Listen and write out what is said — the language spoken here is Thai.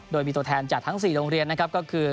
โดยมีตัวแทนจากทั้ง๔โรงเรียนนะครับก็คือ